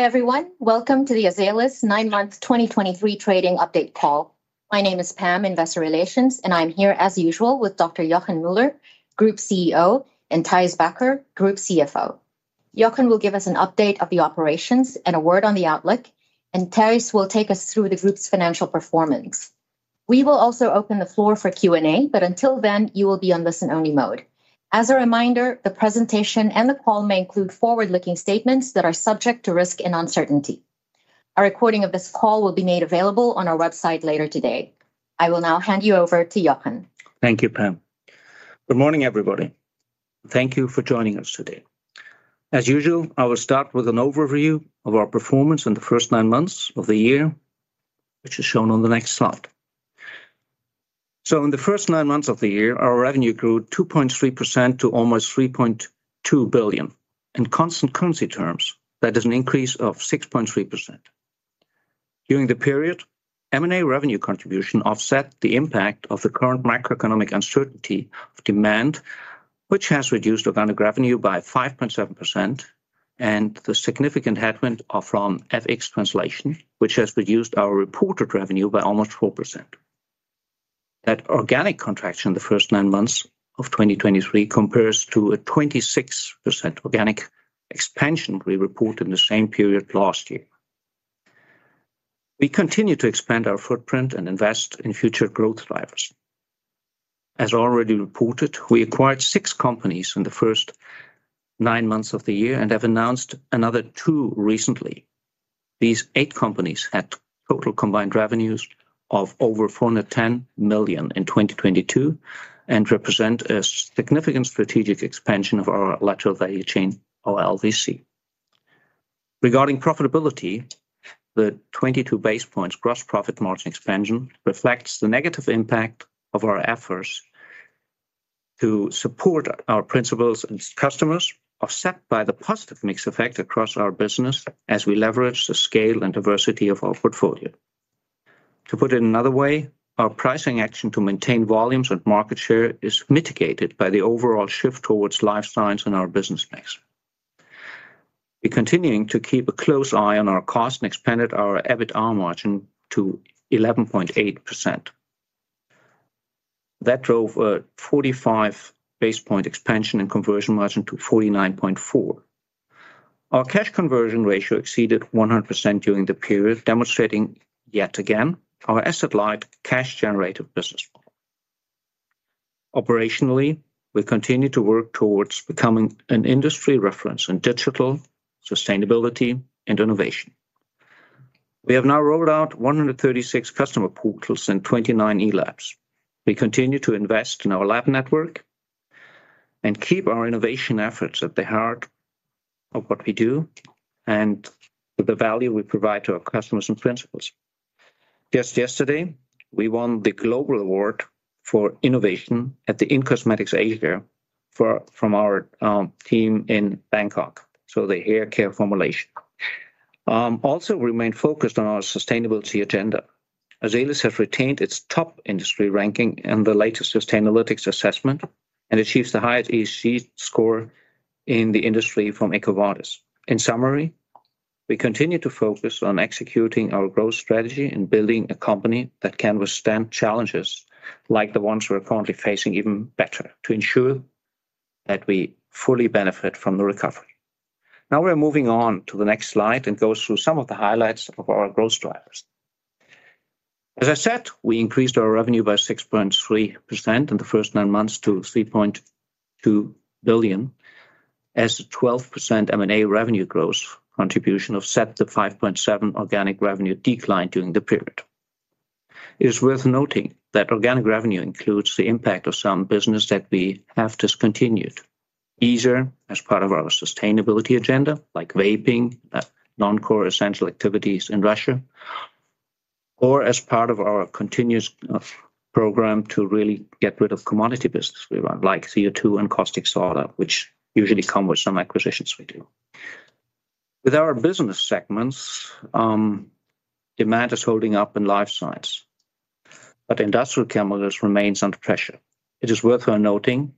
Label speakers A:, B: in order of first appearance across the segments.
A: Hi, everyone. Welcome to the Azelis nine-month 2023 Trading Update call. My name is Pam, Investor Relations, and I'm here, as usual, with Dr. Joachim Müller, Group CEO, and Thijs Bakker, Group CFO. Joachim will give us an update of the operations and a word on the outlook, and Thijs will take us through the group's financial performance. We will also open the floor for Q&A, but until then, you will be on listen-only mode. As a reminder, the presentation and the call may include forward-looking statements that are subject to risk and uncertainty. A recording of this call will be made available on our website later today. I will now hand you over to Joachim.
B: Thank you, Pam. Good morning, everybody. Thank you for joining us today. As usual, I will start with an overview of our performance in the first nine months of the year, which is shown on the next slide. In the first nine months of the year, our revenue grew 2.3% to almost 3.2 billion. In constant currency terms, that is an increase of 6.3%. During the period, M&A revenue contribution offset the impact of the current macroeconomic uncertainty of demand, which has reduced organic revenue by 5.7% and the significant headwind are from FX translation, which has reduced our reported revenue by almost 4%. That organic contraction in the first nine months of 2023 compares to a 26% organic expansion we reported in the same period last year. We continue to expand our footprint and invest in future growth drivers. As already reported, we acquired 6 companies in the first 9 months of the year and have announced another 2 recently. These 8 companies had total combined revenues of over 410 million in 2022 and represent a significant strategic expansion of our lateral value chain, or LVC. Regarding profitability, the 22 basis points gross profit margin expansion reflects the negative impact of our efforts to support our principals and customers, offset by the positive mix effect across our business as we leverage the scale and diversity of our portfolio. To put it another way, our pricing action to maintain volumes and market share is mitigated by the overall shift towards life science in our business mix. We're continuing to keep a close eye on our cost and expanded our EBITDA margin to 11.8%. That drove a 45 basis point expansion in conversion margin to 49.4. Our cash conversion ratio exceeded 100% during the period, demonstrating, yet again, our asset-light, cash-generative business model. Operationally, we continue to work towards becoming an industry reference in digital, sustainability, and innovation. We have now rolled out 136 customer portals and 29 e-Labs. We continue to invest in our lab network and keep our innovation efforts at the heart of what we do and the value we provide to our customers and principals. Just yesterday, we won the Global Award for Innovation at in-cosmetics Asia from our team in Bangkok for the hair care formulation. Also remain focused on our sustainability agenda. Azelis has retained its top industry ranking in the latest Sustainalytics assessment and achieves the highest ESG score in the industry from EcoVadis. In summary, we continue to focus on executing our growth strategy and building a company that can withstand challenges, like the ones we're currently facing, even better, to ensure that we fully benefit from the recovery. Now, we're moving on to the next slide and go through some of the highlights of our growth drivers. As I said, we increased our revenue by 6.3% in the first nine months to 3.2 billion, as the 12% M&A revenue growth contribution offset the 5.7% organic revenue decline during the period. It is worth noting that organic revenue includes the impact of some business that we have discontinued, either as part of our sustainability agenda, like vaping, non-core essential activities in Russia, or as part of our continuous, program to really get rid of commodity business we run, like CO2 and caustic soda, which usually come with some acquisitions we do. With our business segments, demand is holding up in life science, but industrial chemicals remains under pressure. It is worth noting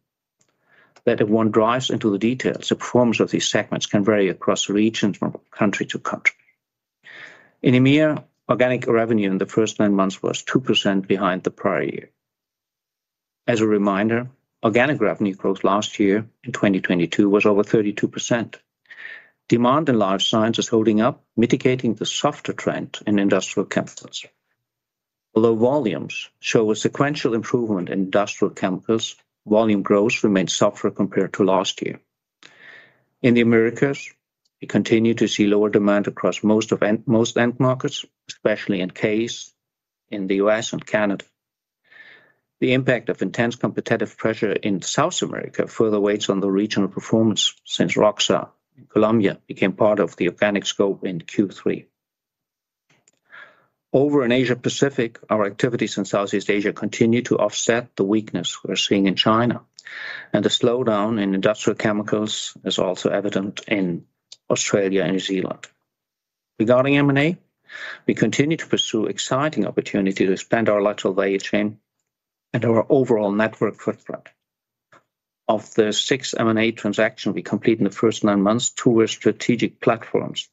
B: that if one dives into the details, the performance of these segments can vary across regions, from country to country. In EMEA, organic revenue in the first nine months was 2% behind the prior year. As a reminder, organic revenue growth last year, in 2022, was over 32%. Demand in life science is holding up, mitigating the softer trend in industrial chemicals. Although volumes show a sequential improvement in industrial chemicals, volume growth remains softer compared to last year. In the Americas, we continue to see lower demand across most end markets, especially in CASE, in the US and Canada. The impact of intense competitive pressure in South America further weighs on the regional performance since ROCSA in Colombia became part of the organic scope in Q3. Over in Asia Pacific, our activities in Southeast Asia continue to offset the weakness we're seeing in China, and the slowdown in industrial chemicals is also evident in Australia and New Zealand. Regarding M&A, we continue to pursue exciting opportunity to expand our lateral value chain and our overall network footprint. Of the six M&A transaction we completed in the first nine months, two were strategic platforms.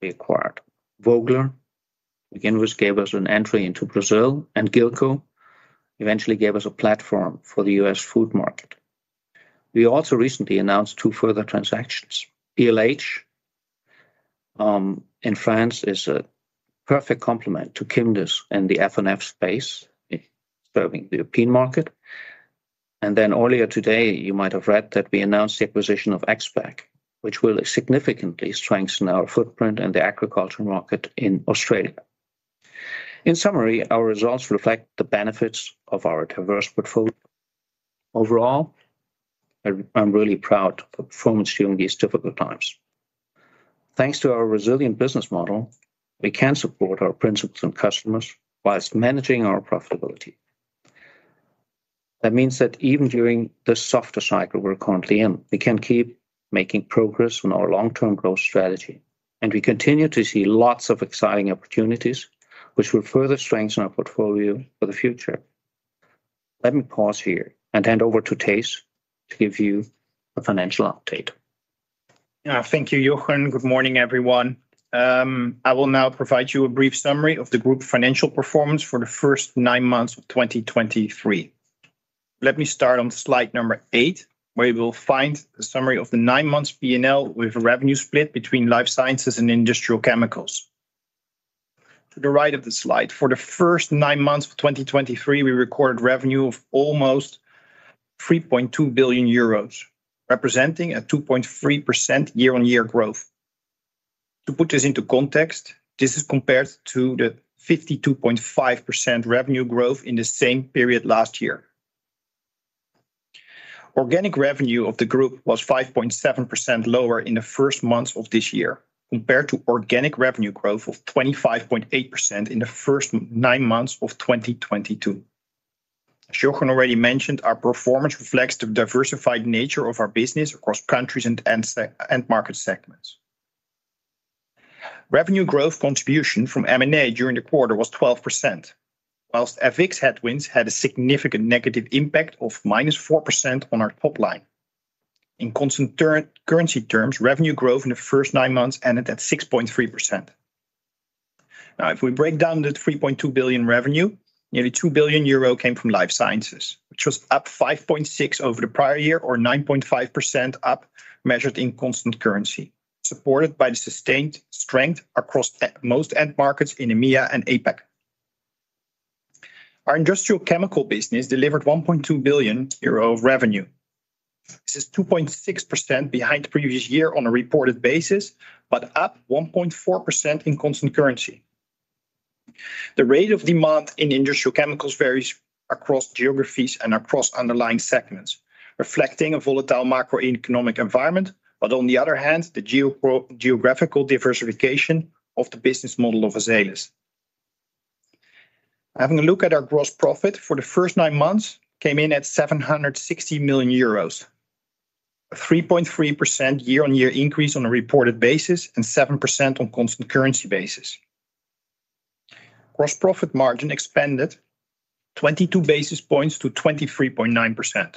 B: We acquired Vogler, which gave us an entry into Brazil, and Gillco eventually gave us a platform for the US Food market. We also recently announced two further transactions. BLH in France is a perfect complement to Quimdis and the F&F space, serving the European market. And then earlier today, you might have read that we announced the acquisition of Agspec, which will significantly strengthen our footprint in the agriculture market in Australia. In summary, our results reflect the benefits of our diverse portfolio. Overall, I'm really proud of the performance during these difficult times. Thanks to our resilient business model, we can support our principals and customers whilst managing our profitability. That means that even during the softer cycle we're currently in, we can keep making progress on our long-term growth strategy, and we continue to see lots of exciting opportunities, which will further strengthen our portfolio for the future. Let me pause here and hand over to Thijs to give you a financial update.
C: Yeah. Thank you, Joachim. Good morning, everyone. I will now provide you a brief summary of the group financial performance for the first nine months of 2023. Let me start on slide number 8, where you will find a summary of the nine months P&L, with a revenue split between life sciences and industrial chemicals. To the right of the slide, for the first nine months of 2023, we recorded revenue of almost 3.2 billion euros, representing a 2.3% year-on-year growth. To put this into context, this is compared to the 52.5% revenue growth in the same period last year. Organic revenue of the group was 5.7% lower in the first months of this year, compared to organic revenue growth of 25.8% in the first nine months of 2022. As Joachim already mentioned, our performance reflects the diversified nature of our business across countries and market segments. Revenue growth contribution from M&A during the quarter was 12%, while FX headwinds had a significant negative impact of -4% on our top-line. In constant currency terms, revenue growth in the first nine months ended at 6.3%. Now, if we break down the 3.2 billion revenue, nearly 2 billion euro came from life sciences, which was up 5.6% over the prior year or 9.5% up, measured in constant currency, supported by the sustained strength across most end markets in EMEA and APAC. Our industrial chemical business delivered 1.2 billion euro of revenue. This is 2.6% behind the previous year on a reported basis, but up 1.4% in constant currency. The rate of demand in industrial chemicals varies across geographies and across underlying segments, reflecting a volatile macroeconomic environment, but on the other hand, the geographical diversification of the business model of Azelis. Having a look at our gross profit for the first nine months came in at 760 million euros, a 3.3% year-on-year increase on a reported basis, and 7% on constant currency basis. Gross profit margin expanded 22 basis points to 23.9%,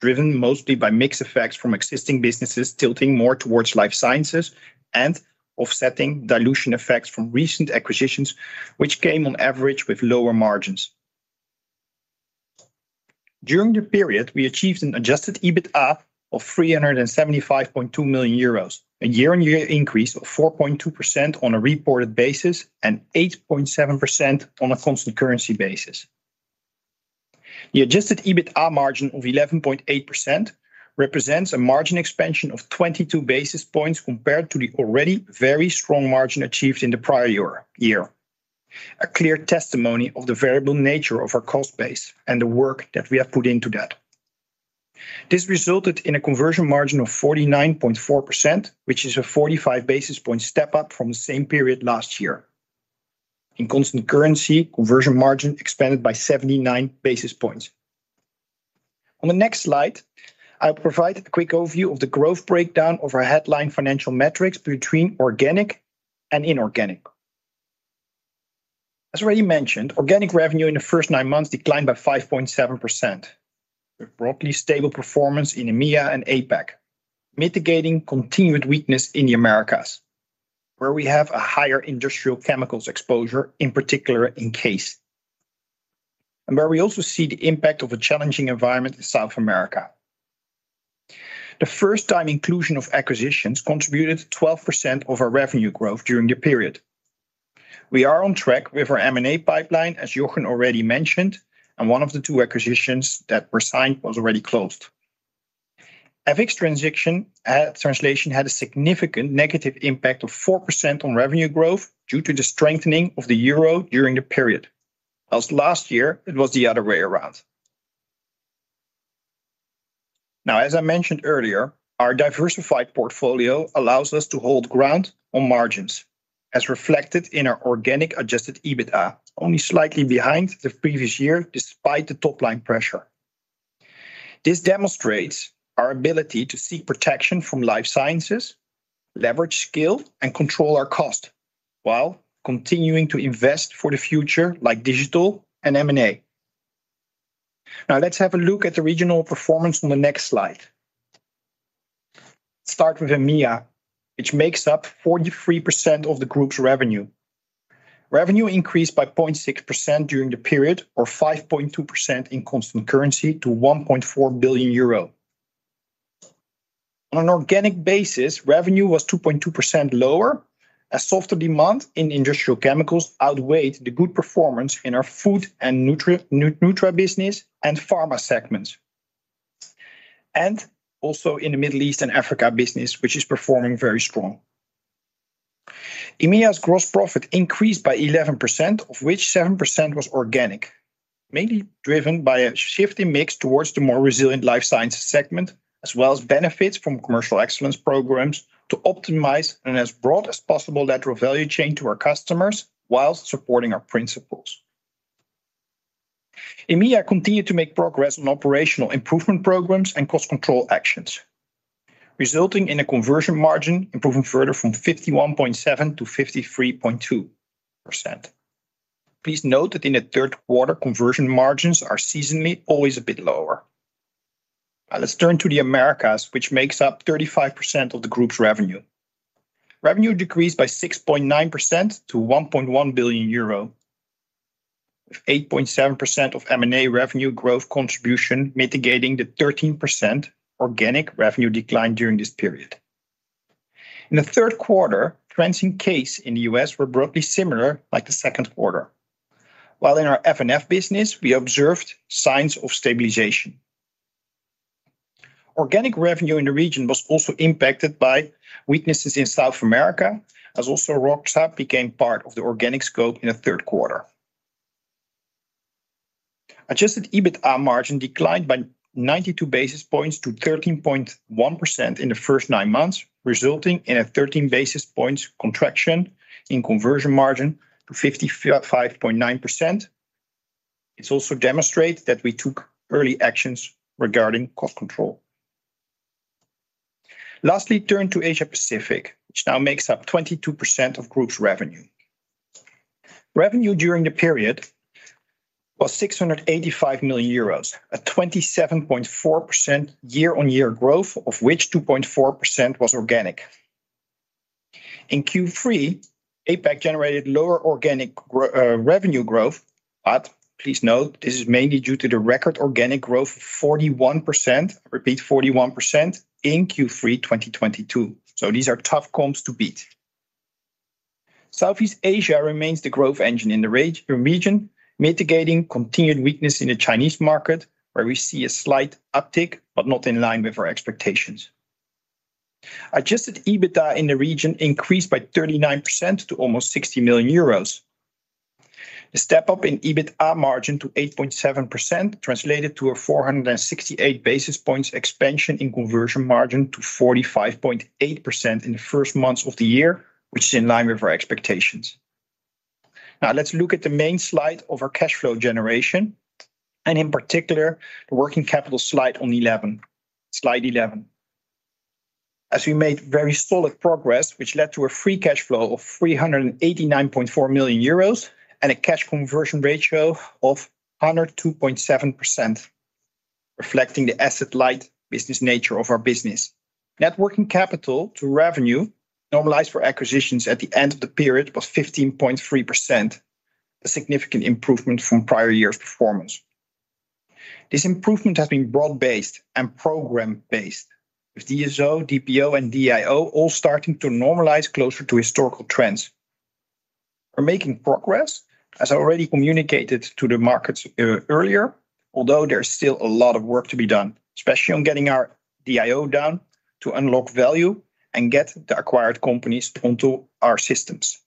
C: driven mostly by mix effects from existing businesses tilting more towards life sciences and offsetting dilution effects from recent acquisitions, which came on average with lower margins. During the period, we achieved an Adjusted EBITDA of 375.2 million euros, a year-on-year increase of 4.2% on a reported basis, and 8.7% on a constant currency basis. The Adjusted EBITDA margin of 11.8% represents a margin expansion of 22 basis points compared to the already very strong margin achieved in the prior year. A clear testimony of the variable nature of our cost base and the work that we have put into that. This resulted in a conversion margin of 49.4%, which is a 45 basis point step up from the same period last year. In constant currency, conversion margin expanded by 79 basis points. On the next slide, I'll provide a quick overview of the growth breakdown of our headline financial metrics between organic and inorganic. As already mentioned, organic revenue in the first nine months declined by 5.7%, with broadly stable performance in EMEA and APAC, mitigating continued weakness in the Americas, where we have a higher industrial chemicals exposure, in particular in CASE, and where we also see the impact of a challenging environment in South America. The first time inclusion of acquisitions contributed to 12% of our revenue growth during the period. We are on track with our M&A pipeline, as Joachim already mentioned, and one of the two acquisitions that were signed was already closed. FX translation had a significant negative impact of 4% on revenue growth due to the strengthening of the euro during the period. As last year, it was the other way around. Now, as I mentioned earlier, our diversified portfolio allows us to hold ground on margins, as reflected in our organic Adjusted EBITDA, only slightly behind the previous year, despite the top-line pressure. This demonstrates our ability to seek protection from life sciences- leverage skill, and control our cost, while continuing to invest for the future, like digital and M&A. Now, let's have a look at the regional performance on the next slide. Start with EMEA, which makes up 43% of the group's revenue. Revenue increased by 0.6% during the period, or 5.2% in constant currency, to 1.4 billion euro. On an organic basis, revenue was 2.2% lower, as softer demand in industrial chemicals outweighed the good performance in our food and nutra business and pharma segments. Also in the Middle East and Africa business, which is performing very strong. EMEA's gross profit increased by 11%, of which 7% was organic, mainly driven by a shift in mix towards the more resilient life sciences segment, as well as benefits from commercial excellence programs to optimize and as broad as possible lateral value chain to our customers whilst supporting our principles. EMEA continued to make progress on operational improvement programs and cost control actions, resulting in a conversion margin improving further from 51.7% to 53.2%. Please note that in the third quarter, conversion margins are seasonally always a bit lower. Now, let's turn to the Americas, which makes up 35% of the group's revenue. Revenue decreased by 6.9% to 1.1 billion euro, with 8.7% of M&A revenue growth contribution mitigating the 13% organic revenue decline during this period. In the third quarter, trends in CASE in the U.S. were broadly similar, like the second quarter. While in our F&F business, we observed signs of stabilization. Organic revenue in the region was also impacted by weaknesses in South America, as ROCSA also became part of the organic scope in the third quarter. Adjusted EBITDA margin declined by 92 basis points to 13.1% in the first nine months, resulting in a 13 basis points contraction in conversion margin to 55.9%. It also demonstrates that we took early actions regarding cost control. Lastly, turn to Asia Pacific, which now makes up 22% of group's revenue. Revenue during the period was 685 million euros, a 27.4% year-on-year growth, of which 2.4% was organic. In Q3, APAC generated lower organic growth, but please note, this is mainly due to the record organic growth of 41%, repeat 41%, in Q3 2022, so these are tough comps to beat. Southeast Asia remains the growth engine in the region, mitigating continued weakness in the Chinese market, where we see a slight uptick, but not in line with our expectations. Adjusted EBITDA in the region increased by 39% to almost 60 million euros. The step up in EBITDA margin to 8.7% translated to a 468 basis points expansion in conversion margin to 45.8% in the first months of the year, which is in line with our expectations. Now, let's look at the main slide of our cash flow generation, and in particular, the working capital slide on 11. As we made very solid progress, which led to a free cash flow of 389.4 million euros, and a cash conversion ratio of 102.7%, reflecting the asset light business nature of our business. Net working capital to revenue, normalized for acquisitions at the end of the period, was 15.3%, a significant improvement from prior year's performance. This improvement has been broad-based and program-based, with DSO, DPO, and DIO all starting to normalize closer to historical trends. We're making progress, as I already communicated to the markets, earlier, although there's still a lot of work to be done, especially on getting our DIO down to unlock value and get the acquired companies onto our systems.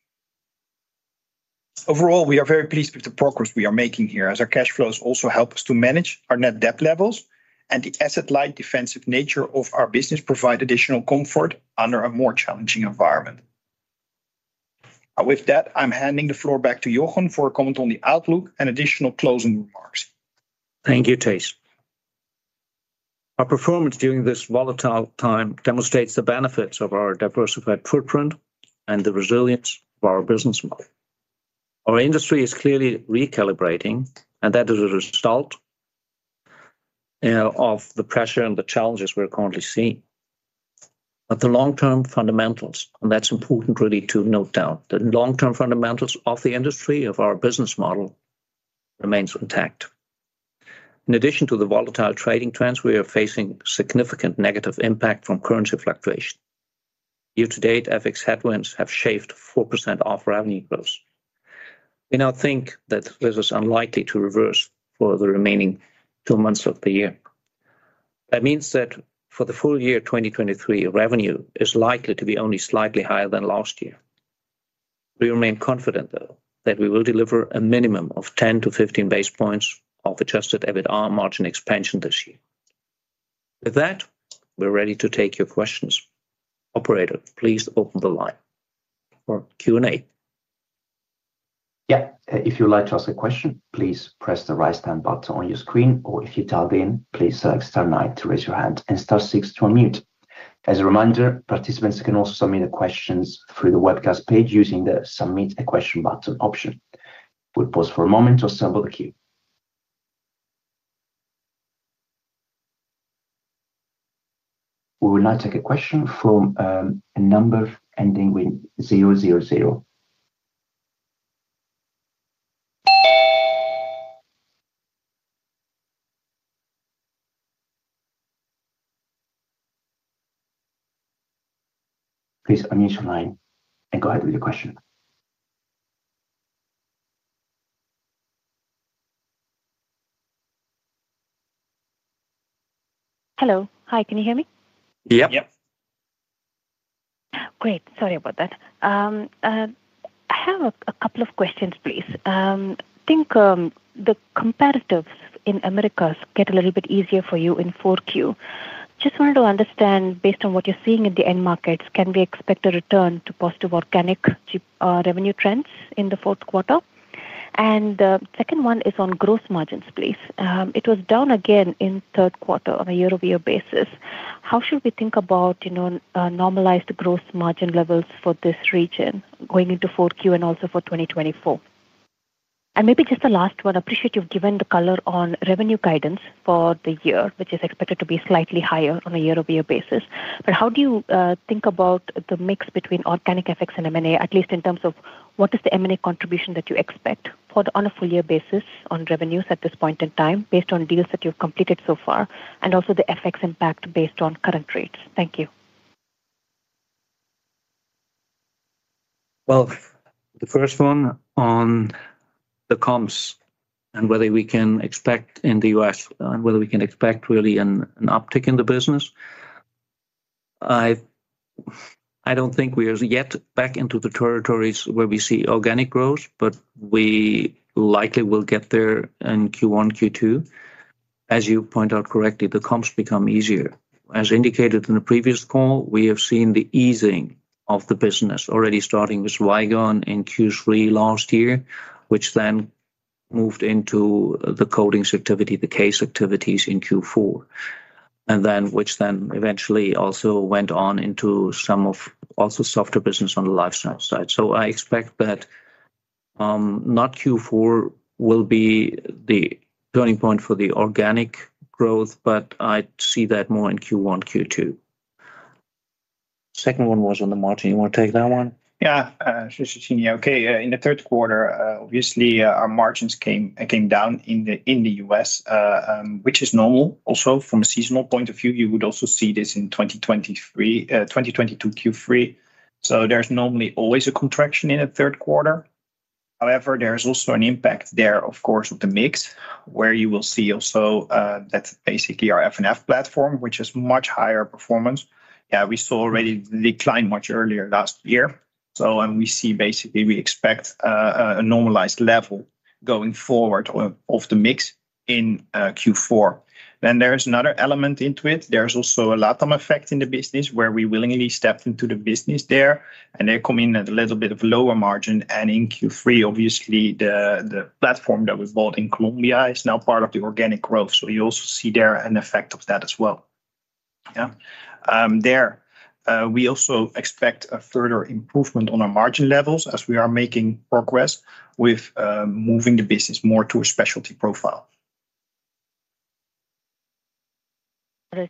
C: Overall, we are very pleased with the progress we are making here, as our cash flows also help us to manage our net debt levels, and the asset light defensive nature of our business provide additional comfort under a more challenging environment. With that, I'm handing the floor back to Joachim for a comment on the outlook and additional closing remarks.
B: Thank you, Thijs. Our performance during this volatile time demonstrates the benefits of our diversified footprint and the resilience of our business model. Our industry is clearly recalibrating, and that is a result of the pressure and the challenges we're currently seeing. But the long-term fundamentals, and that's important really to note down, the long-term fundamentals of the industry, of our business model, remains intact. In addition to the volatile trading trends, we are facing significant negative impact from currency fluctuation. Year to date, FX headwinds have shaved 4% off revenue growth. We now think that this is unlikely to reverse for the remaining two months of the year. That means that for the full year 2023, revenue is likely to be only slightly higher than last year. We remain confident, though, that we will deliver a minimum of 10-15 basis points of Adjusted EBITDA margin expansion this year. With that, we're ready to take your questions. Operator, please open the line for Q&A.
D: Yeah. If you would like to ask a question, please press the raise hand button on your screen, or if you dialed in, please select star nine to raise your hand and star six to unmute. As a reminder, participants can also submit their questions through the webcast page using the Submit a Question button option. We'll pause for a moment to assemble the queue. We will now take a question from a number ending with 000. Please unmute your line and go ahead with your question.
E: Hello. Hi, can you hear me?
D: Yep.
B: Yep.
E: Great. Sorry about that. I have a couple of questions, please. I think the comparatives in Americas get a little bit easier for you in Q4. Just wanted to understand, based on what you're seeing in the end markets, can we expect a return to positive organic revenue trends in the fourth quarter? And the second one is on gross margins, please. It was down again in third quarter on a year-over-year basis. How should we think about, you know, normalized growth margin levels for this region going into Q4 and also for 2024? And maybe just a last one. I appreciate you've given the color on revenue guidance for the year, which is expected to be slightly higher on a year-over-year basis, but how do you think about the mix between organic effects and M&A, at least in terms of what is the M&A contribution that you expect for the on a full year basis on revenues at this point in time, based on deals that you've completed so far, and also the FX impact based on current rates? Thank you.
B: Well, the first one on the comps and whether we can expect in the U.S. whether we can expect really an uptick in the business. I don't think we are yet back into the territories where we see organic growth, but we likely will get there in Q1, Q2. As you point out correctly, the comps become easier. As indicated in the previous call, we have seen the easing of the business already starting with Vigon in Q3 last year, which then moved into the coatings activity, the CASE activities in Q4. And then, which then eventually also went on into some of also softer business on the life sciences side. So I expect that not Q4 will be the turning point for the organic growth, but I see that more in Q1, Q2. Second one was on the margin. You want to take that one?
C: Yeah, [Shoshini] Okay, in the third quarter, obviously, our margins came down in the US, which is normal. Also, from a seasonal point of view, you would also see this in 2023, 2022 Q3. So there's normally always a contraction in the third quarter. However, there is also an impact there, of course, with the mix, where you will see also, that's basically our F&F platform, which is much higher performance. Yeah, we saw already the decline much earlier last year. So, and we see basically, we expect a normalized level going forward of the mix in Q4. Then there is another element into it. There's also a LATAM effect in the business, where we willingly stepped into the business there, and they come in at a little bit of lower margin. In Q3, obviously, the platform that we bought in Colombia is now part of the organic growth. So you also see there an effect of that as well. Yeah. There, we also expect a further improvement on our margin levels as we are making progress with moving the business more to a specialty profile.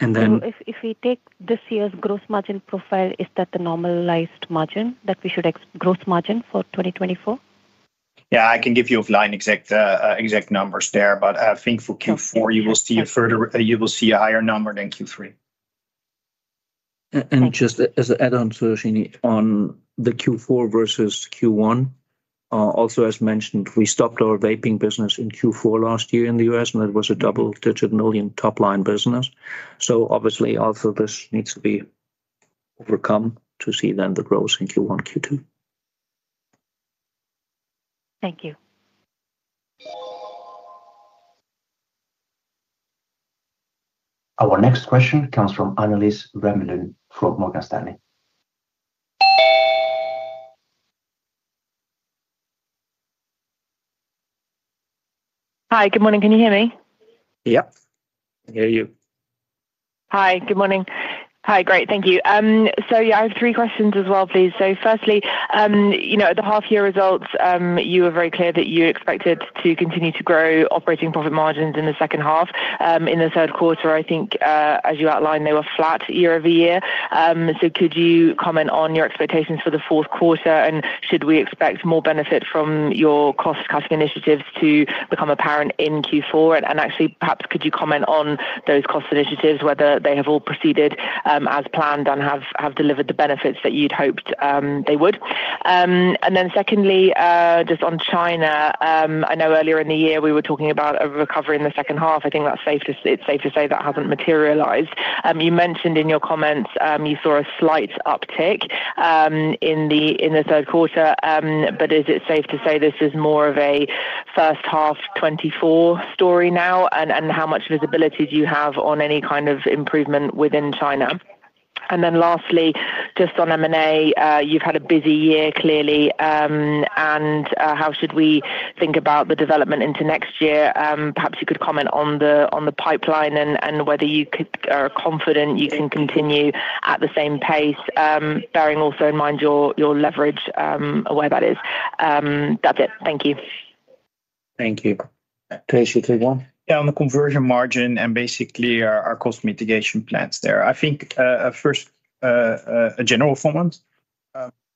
B: And then-
E: So if we take this year's gross margin profile, is that the normalized margin that we should expect gross margin for 2024?
C: Yeah, I can give you offline exact, exact numbers there, but I think for Q4 you will see a further. You will see a higher number than Q3.
B: Just as an add-on, [Shoshini], on the Q4 versus Q1, also as mentioned, we stopped our vaping business in Q4 last year in the U.S., and it was a double-digit million EUR top-line business. So obviously, also this needs to be overcome to see then the growth in Q1, Q2.
E: Thank you.
D: Our next question comes from Annelies Vermeulen from Morgan Stanley.
F: Hi, good morning. Can you hear me?
D: Yep.
B: I can hear you.
F: Hi, good morning. Hi, great. Thank you. So yeah, I have three questions as well, please. So firstly, you know, at the half-year results, you were very clear that you expected to continue to grow operating profit margins in the second half. In the third quarter, I think, as you outlined, they were flat year-over-year. So could you comment on your expectations for the fourth quarter, and should we expect more benefit from your cost-cutting initiatives to become apparent in Q4? And actually, perhaps could you comment on those cost initiatives, whether they have all proceeded as planned and have delivered the benefits that you'd hoped they would? And then secondly, just on China, I know earlier in the year we were talking about a recovery in the second half. I think it's safe to say that hasn't materialized. You mentioned in your comments you saw a slight uptick in the third quarter, but is it safe to say this is more of a first half 2024 story now? And how much visibility do you have on any kind of improvement within China? And then lastly, just on M&A, you've had a busy year, clearly. And how should we think about the development into next year? Perhaps you could comment on the pipeline and whether you are confident you can continue at the same pace, bearing also in mind your leverage, where that is. That's it. Thank you.
B: Thank you. Thijs, you take one?
C: Yeah, on the conversion margin and basically our cost mitigation plans there. I think, first, a general format,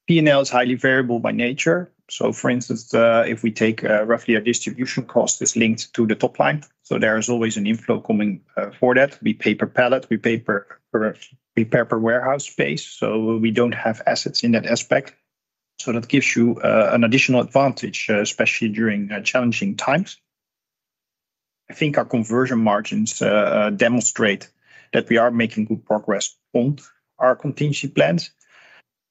C: P&L is highly variable by nature. So for instance, if we take, roughly a distribution cost is linked to the top-line, so there is always an inflow coming for that. We pay per pallet, we pay per warehouse space, so we don't have assets in that aspect. So that gives you an additional advantage, especially during challenging times. I think our conversion margins demonstrate that we are making good progress on our contingency plans.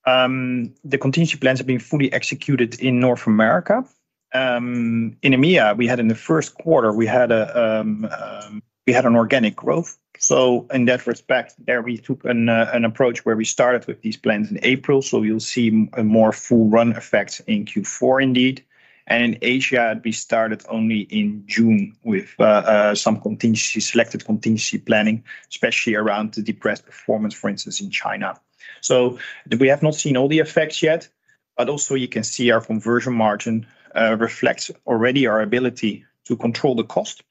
C: The contingency plans are being fully executed in North America. In EMEA, in the first quarter, we had an organic growth. So in that respect, there we took an approach where we started with these plans in April, so you'll see a more full run effect in Q4, indeed. And in Asia, we started only in June with some contingency, selected contingency planning, especially around the depressed performance, for instance, in China. So we have not seen all the effects yet, but also you can see our conversion margin reflects already our ability to control the cost,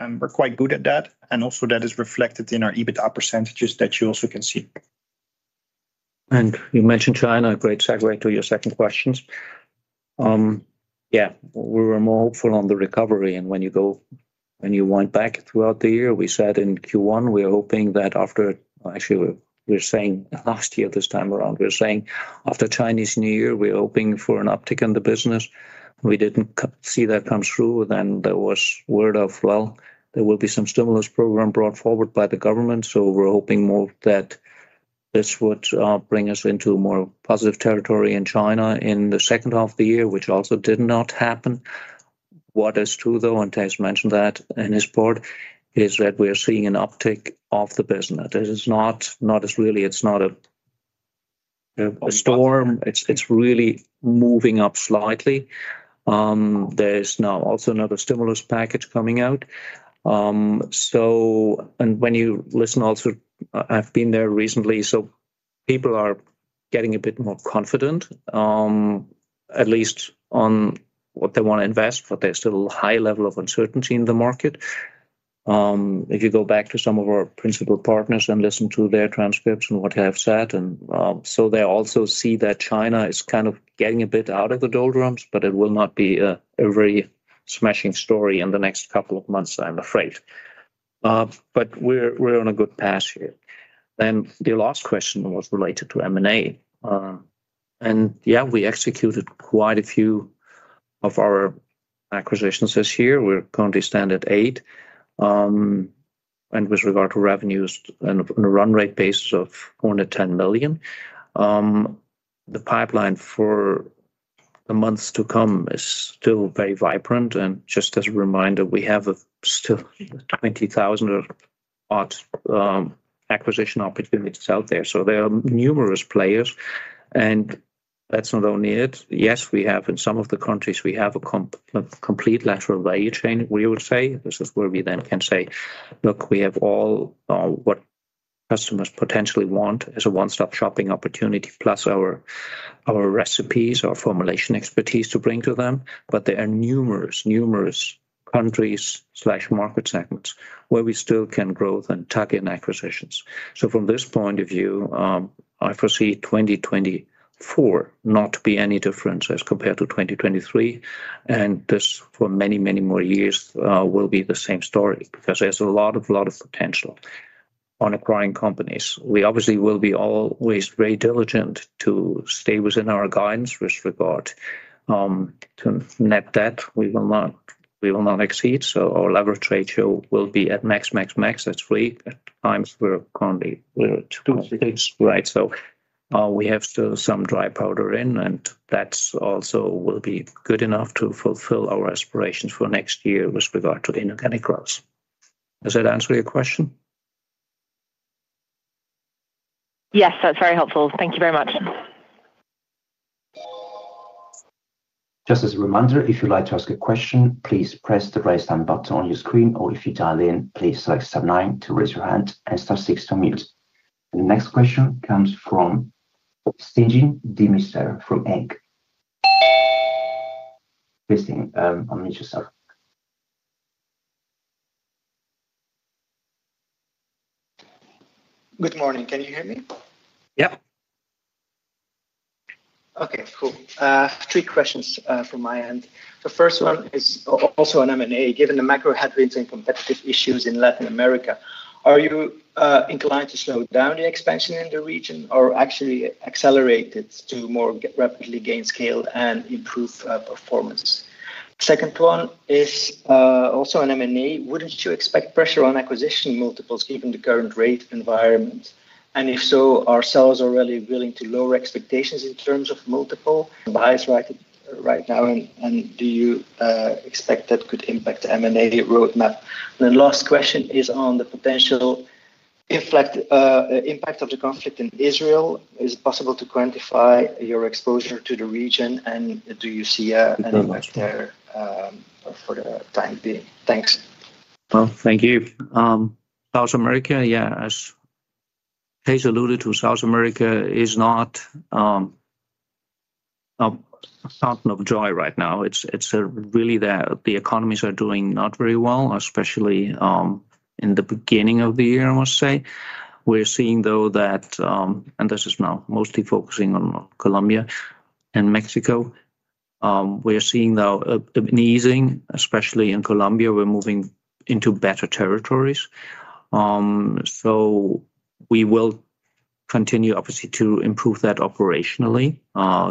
C: and we're quite good at that, and also that is reflected in our EBITDA percentages that you also can see.
B: You mentioned China. Great segue to your second questions. Yeah, we were more hopeful on the recovery, and when you went back throughout the year, we said in Q1, we are hoping that after... Actually, we're saying last year this time around, we're saying after Chinese New Year, we're hoping for an uptick in the business. We didn't see that come through. Then there was word of, well, there will be some stimulus program brought forward by the government, so we're hoping more that this would bring us into a more positive territory in China in the second half of the year, which also did not happen. What is true, though, and Thijs mentioned that in his part, is that we are seeing an uptick of the business. It is not as really, it's not a storm. It's really moving up slightly. There is now also another stimulus package coming out. So and when you listen also, I've been there recently, so people are getting a bit more confident, at least on what they want to invest, but there's still a high level of uncertainty in the market. If you go back to some of our principal partners and listen to their transcripts and what they have said, and, so they also see that China is kind of getting a bit out of the doldrums, but it will not be a very smashing story in the next couple of months, I'm afraid. But we're on a good path here. Then the last question was related to M&A. And yeah, we executed quite a few of our acquisitions this year. We currently stand at 8, and with regard to revenues and on a run rate basis of only 10 million. The pipeline for the months to come is still very vibrant, and just as a reminder, we have a still 20,000-odd acquisition opportunities out there. So there are numerous players, and that's not only it. Yes, we have in some of the countries, we have a comp-- a complete lateral value chain, we would say. This is where we then can say, "Look, we have all what customers potentially want as a one-stop shopping opportunity, plus our, our recipes, our formulation expertise to bring to them." But there are numerous, numerous countries/market segments where we still can grow and tuck-in acquisitions. So from this point of view, I foresee 2024 not to be any different as compared to 2023, and this, for many, many more years, will be the same story because there's a lot of, lot of potential on acquiring companies. We obviously will be always very diligent to stay within our guidance with regard to net debt. We will not, we will not exceed, so our leverage ratio will be at max, max, max. It's at 2x, we're currently at 2x, right? So, we have still some dry powder in, and that's also will be good enough to fulfill our aspirations for next year with regard to the inorganic growth. Does that answer your question?
F: Yes, that's very helpful. Thank you very much.
D: Just as a reminder, if you'd like to ask a question, please press the Raise Hand button on your screen, or if you dial in, please select star nine to raise your hand and star six to unmute. The next question comes from Stijn Demeester from ING. Please, unmute yourself.
G: Good morning. Can you hear me?
B: Yeah.
G: Okay, cool. Three questions from my end. The first one is also on M&A. Given the macro headwinds and competitive issues in Latin America, are you inclined to slow down the expansion in the region or actually accelerate it to more rapidly gain scale and improve performance? Second one is also on M&A. Wouldn't you expect pressure on acquisition multiples given the current rate environment? And if so, are sellers already willing to lower expectations in terms of multiple and buy-side right now, and do you expect that could impact the M&A roadmap? The last question is on the potential- Impact of the conflict in Israel, is it possible to quantify your exposure to the region, and do you see anything much there for the time being? Thanks.
B: Well, thank you. South America, yeah, as Thijs alluded to, South America is not a fountain of joy right now. It's really the economies are doing not very well, especially in the beginning of the year, I must say. We're seeing, though, that and this is now mostly focusing on Colombia and Mexico. We're seeing now an easing, especially in Colombia, we're moving into better territories. So we will continue, obviously, to improve that operationally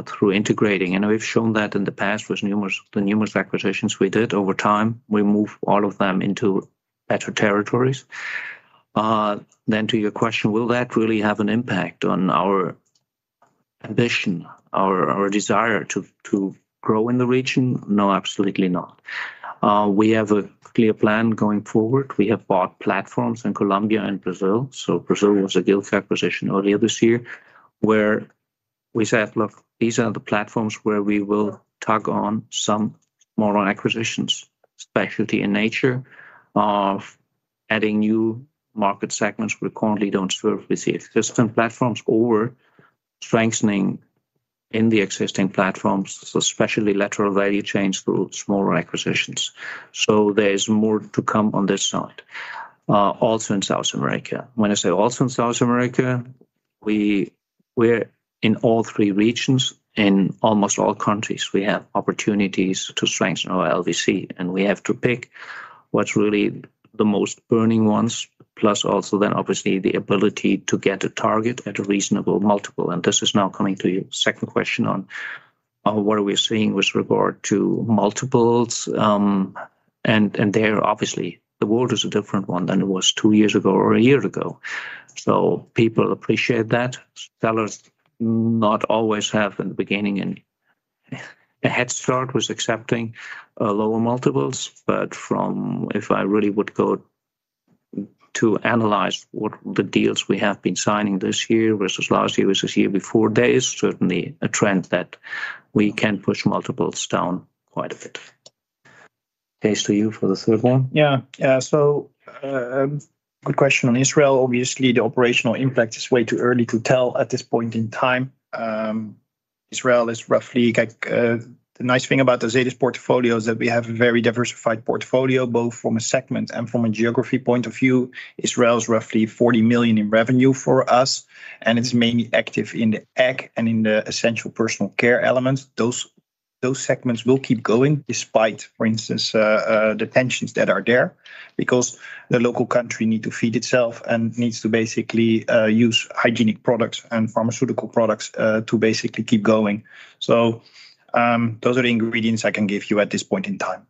B: through integrating. I know we've shown that in the past with numerous acquisitions we did over time. We moved all of them into better territories. Then, to your question, will that really have an impact on our ambition or our desire to grow in the region? No, absolutely not. We have a clear plan going forward. We have bought platforms in Colombia and Brazil. So Brazil was a deal acquisition earlier this year, where we said, "Look, these are the platforms where we will tack on some more acquisitions, specialty in nature, of adding new market segments we currently don't serve with the existing platforms, or strengthening in the existing platforms, especially lateral value chains through smaller acquisitions." So there is more to come on this side, also in South America. When I say also in South America, we're in all three regions. In almost all countries, we have opportunities to strengthen our LVC, and we have to pick what's really the most burning ones, plus also then obviously the ability to get a target at a reasonable multiple. And this is now coming to your second question on what are we seeing with regard to multiples. And there obviously, the world is a different one than it was two years ago or a year ago, so people appreciate that. Sellers not always have, in the beginning, a head start with accepting lower multiples. But from... If I really would go to analyze what the deals we have been signing this year versus last year, versus year before, there is certainly a trend that we can push multiples down quite a bit. Thijs, to you for the third one.
C: Yeah. Yeah, so, good question on Israel. Obviously, the operational impact is way too early to tell at this point in time. Israel is roughly like, the nice thing about the Azelis portfolio is that we have a very diversified portfolio, both from a segment and from a geography point of view. Israel is roughly 40 million in revenue for us, and it's mainly active in the ag and in the essential personal care elements. Those, those segments will keep going, despite, for instance, the tensions that are there, because the local country need to feed itself, and needs to basically, use hygienic products and pharmaceutical products, to basically keep going. So, those are the ingredients I can give you at this point in time.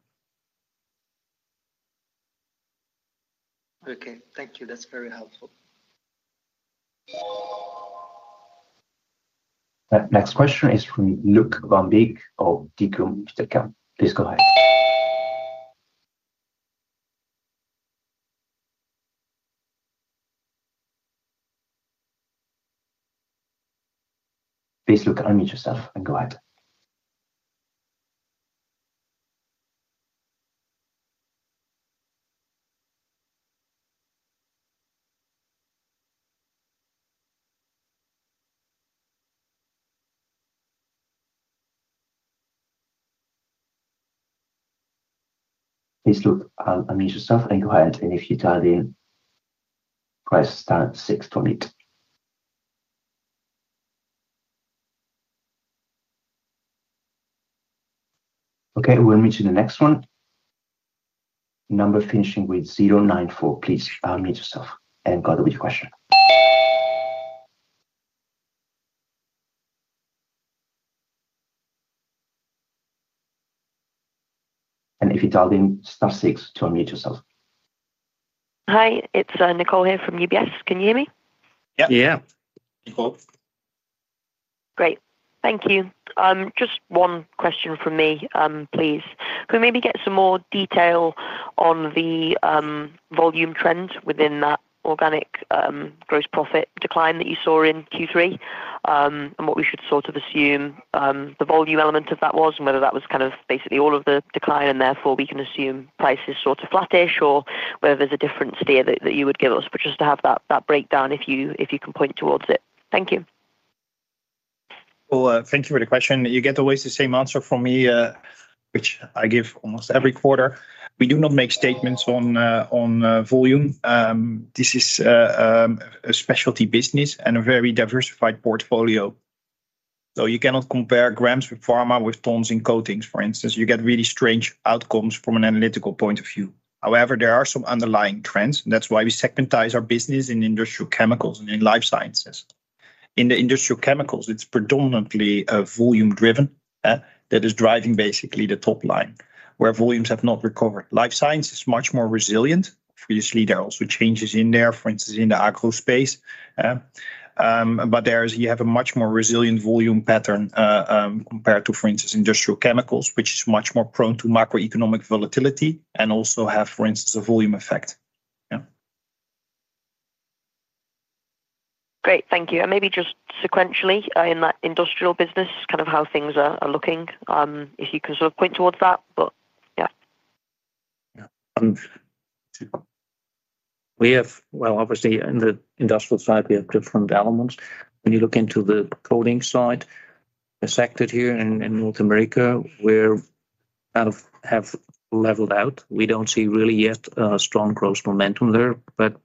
G: Okay. Thank you. That's very helpful.
D: The next question is from Luuk van Beek of Degroof Petercam. Please, go ahead. Please, Luuk, unmute yourself and go ahead. Please, Luuk, unmute yourself and go ahead, and if you dial the question, star six to unmute. Okay, we'll move to the next one. Number finishing with 094, please unmute yourself and go with your question. And if you dial then star six to unmute yourself.
H: Hi, it's Nicole here from UBS. Can you hear me?
C: Yep.
B: Yeah.
D: Nicole.
H: Great. Thank you. Just one question from me, please. Could we maybe get some more detail on the volume trend within that organic gross profit decline that you saw in Q3? And what we should sort of assume the volume element of that was, and whether that was kind of basically all of the decline, and therefore we can assume price is sort of flattish, or whether there's a difference there that you would give us. But just to have that breakdown, if you can point towards it. Thank you.
C: Well, thank you for the question. You get always the same answer from me, which I give almost every quarter. We do not make statements on volume. This is a specialty business and a very diversified portfolio. So you cannot compare grams with pharma, with tons in coatings, for instance. You get really strange outcomes from an analytical point of view. However, there are some underlying trends, and that's why we segmentize our business in industrial chemicals and in life sciences. In the industrial chemicals, it's predominantly volume driven that is driving basically the top-line, where volumes have not recovered. Life science is much more resilient. Obviously, there are also changes in there, for instance, in the agro space. But you have a much more resilient volume pattern compared to, for instance, industrial chemicals, which is much more prone to macroeconomic volatility and also have, for instance, a volume effect. Yeah.
H: Great. Thank you. Maybe just sequentially, in that industrial business, kind of how things are looking, if you could sort of point towards that. Yeah.
B: Yeah, and we have well, obviously, in the industrial side, we have different elements. When you look into the coatings side, the sector here in North America, where kind of have leveled out. We don't see really yet a strong growth momentum there, but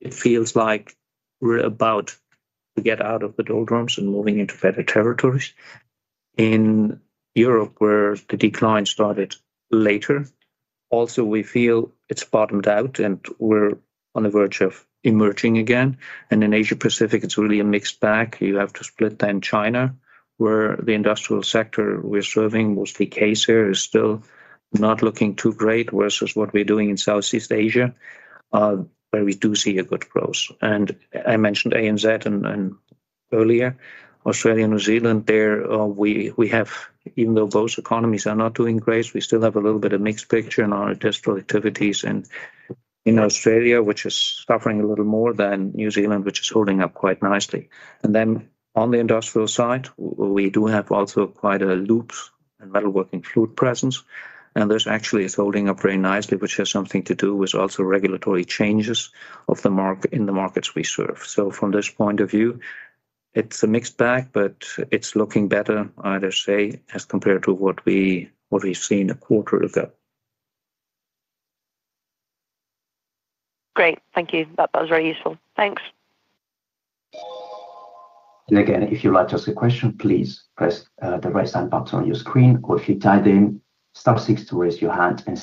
B: it feels like we're about to get out of the doldrums and moving into better territories. In Europe, where the decline started later, also, we feel it's bottomed out, and we're on the verge of emerging again. And in Asia Pacific, it's really a mixed bag. You have to split then China, where the industrial sector we're serving, mostly CASE here, is still not looking too great versus what we're doing in Southeast Asia, where we do see a good growth. I mentioned ANZ and earlier, Australia and New Zealand there, we have even though those economies are not doing great, we still have a little bit of mixed picture in our industrial activities. And in Australia, which is suffering a little more than New Zealand, which is holding up quite nicely. And then on the industrial side, we do have also quite a lubes and metalworking fluid presence, and this actually is holding up very nicely, which has something to do with also regulatory changes in the markets we serve. So from this point of view, it's a mixed bag, but it's looking better, I dare say, as compared to what we've seen a quarter ago.
H: Great, thank you. That was very useful. Thanks.
D: And again, if you'd like to ask a question, please press the raise hand button on your screen, or if you dialed in, star six to raise your hand and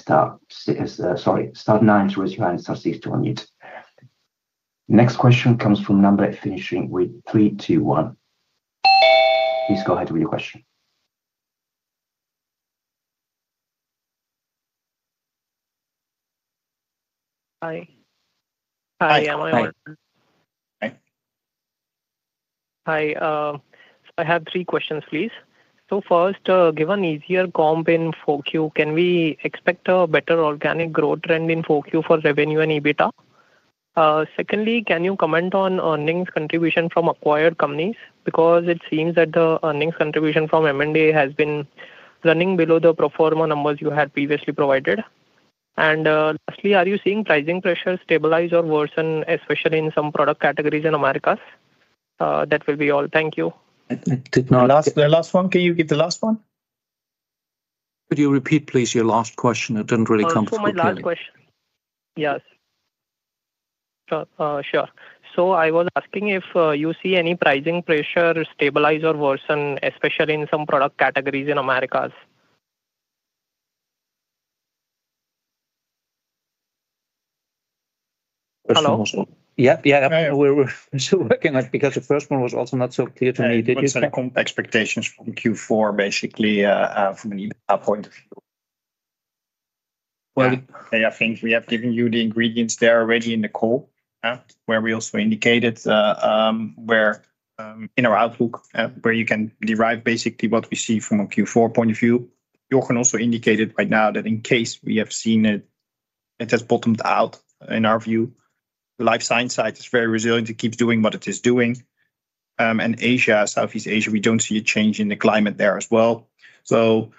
D: Sorry, star nine to raise your hand, and star six to unmute. Next question comes from number finishing with 321. Please go ahead with your question.
I: Hi. Hi, am I-
D: Hi. Hi.
I: Hi, I have three questions, please. So first, given easier comp in four Q, can we expect a better organic growth trend in four Q for revenue and EBITDA? Secondly, can you comment on earnings contribution from acquired companies? Because it seems that the earnings contribution from M&A has been running below the pro forma numbers you had previously provided. And, lastly, are you seeing pricing pressure stabilize or worsen, especially in some product categories in Americas? That will be all. Thank you.
B: I did not- The last one. Can you give the last one?
D: Could you repeat, please, your last question? I didn't really comfortable with the-
E: So my last question... Yes. Sure, sure. So I was asking if you see any pricing pressure stabilize or worsen, especially in some product categories in Americas? Hello?
B: Yeah, yeah. We're still working on, because the first one was also not so clear to me. Did you-
C: Expectations from Q4, basically, from an EBITDA point of view.
B: Well-
C: I think we have given you the ingredients there already in the call, where we also indicated, in our outlook, where you can derive basically what we see from a Q4 point of view. Joachim also indicated right now that in case we have seen it, it has bottomed out, in our view. The life science side is very resilient to keep doing what it is doing. And Asia, Southeast Asia, we don't see a change in the climate there as well. So,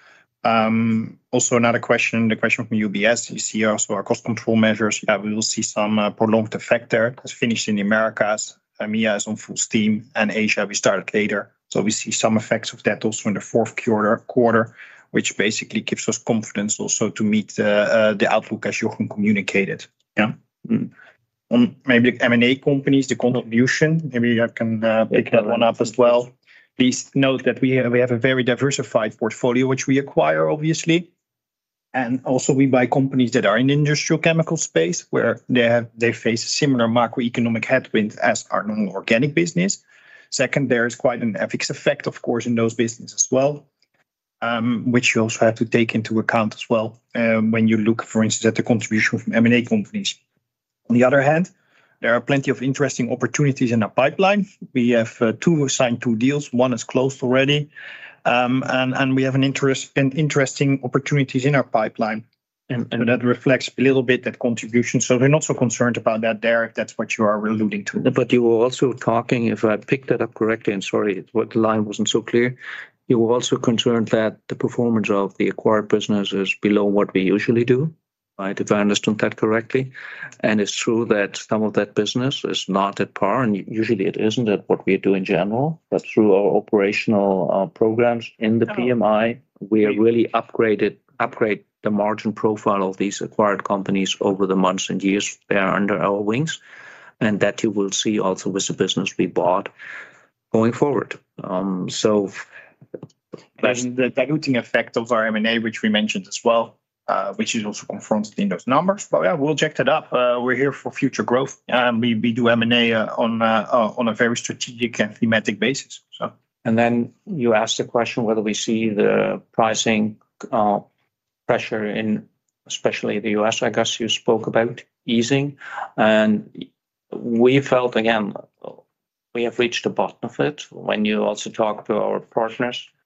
C: also another question, the question from UBS. You see also our cost control measures, that we will see some prolonged effect there. It's finished in the Americas, EMEA is on full steam, and Asia, we started later. So we see some effects of that also in the fourth quarter, which basically gives us confidence also to meet the outlook as Joachim communicated. Maybe M&A companies, the contribution, maybe I can pick that one up as well. Please note that we have a very diversified portfolio, which we acquire, obviously. And also, we buy companies that are in the industrial chemical space, where they face similar macroeconomic headwinds as our normal organic business. Second, there is quite an FX effect, of course, in those businesses as well, which you also have to take into account as well, when you look, for instance, at the contribution from M&A companies. On the other hand, there are plenty of interesting opportunities in our pipeline. We have signed two deals, one is closed already. We have interesting opportunities in our pipeline, and that reflects a little bit that contribution. So we're not so concerned about that there, if that's what you are alluding to.
B: But you were also talking, if I picked that up correctly, and sorry, but the line wasn't so clear. You were also concerned that the performance of the acquired business is below what we usually do, right? If I understood that correctly. And it's true that some of that business is not at par, and usually, it isn't at what we do in general. But through our operational programs in the PMI, we really upgraded - upgrade the margin profile of these acquired companies over the months and years they are under our wings, and that you will see also with the business we bought going forward. So-
C: The diluting effect of our M&A, which we mentioned as well, which is also confronted in those numbers. But yeah, we'll check that up. We're here for future growth, and we do M&A on a very strategic and thematic basis. So-
B: And then you asked the question whether we see the pricing pressure in especially the U.S., I guess, you spoke about easing. And we felt, again, we have reached the bottom of it. When you also talk to our partners, our,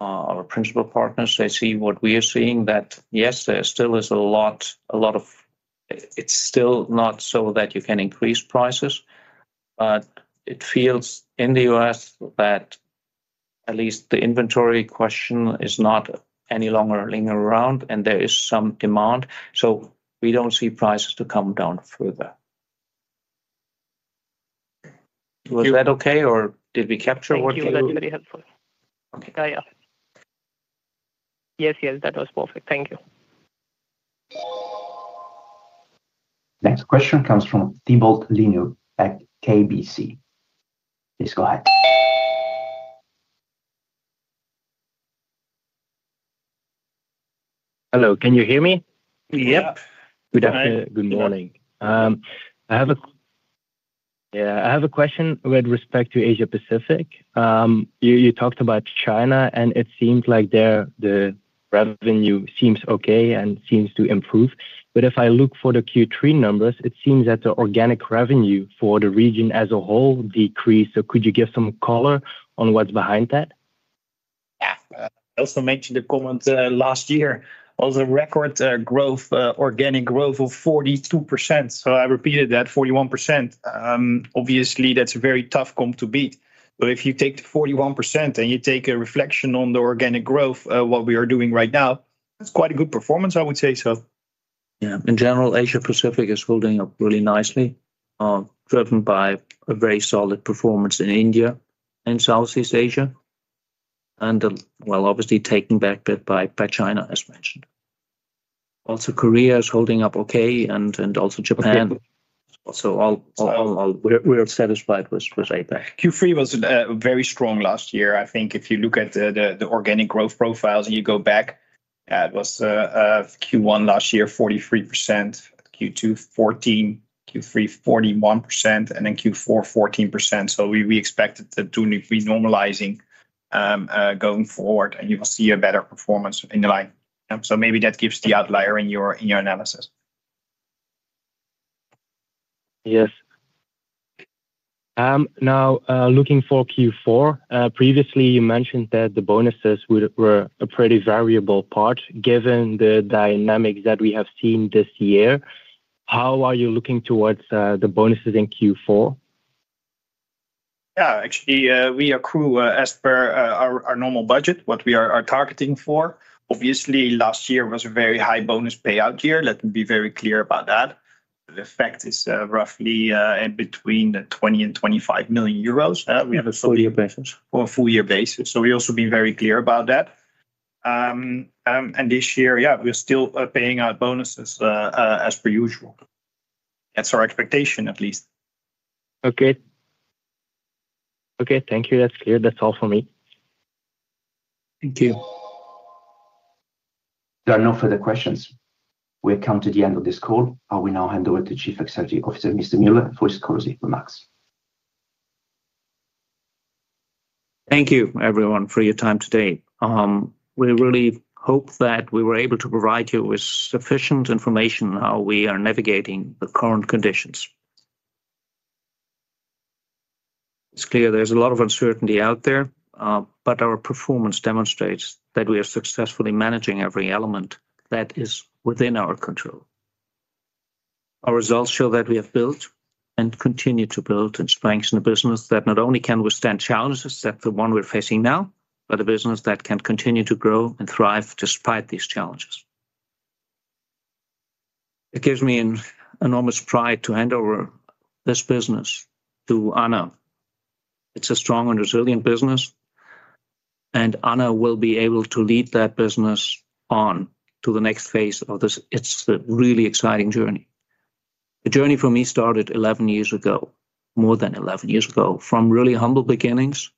B: our principal partners, they see what we are seeing, that, yes, there still is a lot, a lot of— It's still not so that you can increase prices, but it feels in the U.S. that at least the inventory question is not any longer lingering around, and there is some demand. So we don't see prices to come down further. Was that okay, or did we capture what you-
I: Thank you. That's very helpful.
B: Okay.
I: Yeah. Yes, yes, that was perfect. Thank you.
D: Next question comes from Thibault Leneeuw at KBC. Please go ahead.
J: Hello, can you hear me?
B: Yep.
C: Yeah.
J: Good morning. Yeah, I have a question with respect to Asia Pacific. You talked about China, and it seems like there, the revenue seems okay and seems to improve. But if I look for the Q3 numbers, it seems that the organic revenue for the region as a whole decreased. So could you give some color on what's behind that?
C: Yeah. I also mentioned the comment last year was a record growth, organic growth of 42%, so I repeated that, 41%. Obviously, that's a very tough comp to beat. If you take the 41%, and you take a reflection on the organic growth, what we are doing right now, that's quite a good performance, I would say so.
B: Yeah. In general, Asia Pacific is holding up really nicely, driven by a very solid performance in India and Southeast Asia and, well, obviously taken back a bit by China, as mentioned. Also, Korea is holding up okay, and also Japan. So all... We're satisfied with APAC.
C: Q3 was very strong last year. I think if you look at the organic growth profiles, and you go back, it was Q1 last year, 43%; Q2, 14%; Q3, 41%, and then Q4, 14%. So we expected to be normalizing going forward, and you will see a better performance in the line. So maybe that gives the outlier in your analysis.
J: Yes. Now, looking for Q4, previously, you mentioned that the bonuses were a pretty variable part. Given the dynamics that we have seen this year, how are you looking towards the bonuses in Q4?
C: Yeah. Actually, we accrue, as per our normal budget, what we are targeting for. Obviously, last year was a very high bonus payout year. Let me be very clear about that. The fact is, roughly, in between 20 million and 25 million euros. We have- On a full year basis. On a full year basis, so we also been very clear about that. And this year, yeah, we're still paying out bonuses as per usual. That's our expectation, at least.
J: Okay. Okay, thank you. That's clear. That's all for me.
B: Thank you.
D: There are no further questions. We have come to the end of this call. I will now hand over to Chief Executive Officer, Mr. Müller, for his closing remarks.
B: Thank you, everyone, for your time today. We really hope that we were able to provide you with sufficient information on how we are navigating the current conditions. It's clear there's a lot of uncertainty out there, but our performance demonstrates that we are successfully managing every element that is within our control. Our results show that we have built and continue to build and strengthen a business that not only can withstand challenges like the one we're facing now, but a business that can continue to grow and thrive despite these challenges. It gives me an enormous pride to hand over this business to Anna. It's a strong and resilient business, and Anna will be able to lead that business on to the next phase of this. It's a really exciting journey. The journey for me started 11 years ago, more than 11 years ago. From really humble beginnings,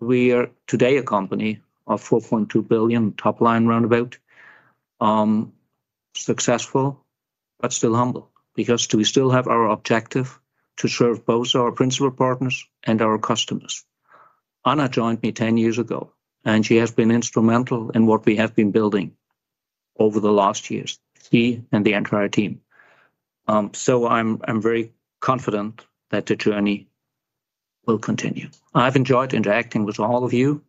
B: we are today a company of 4.2 billion top-line roundabout. Successful, but still humble, because we still have our objective to serve both our principal partners and our customers. Anna joined me 10 years ago, and she has been instrumental in what we have been building over the last years, she and the entire team. So I'm very confident that the journey will continue. I've enjoyed interacting with all of you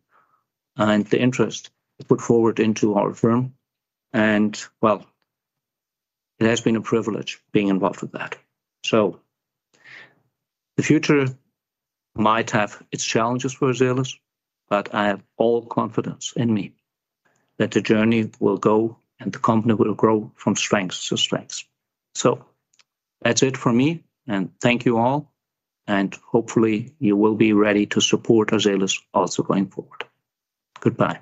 B: and the interest you put forward into our firm, and, well, it has been a privilege being involved with that. So the future might have its challenges for Azelis, but I have all confidence in me that the journey will go, and the company will grow from strength to strength. That's it for me, and thank you all, and hopefully, you will be ready to support Azelis also going forward. Goodbye.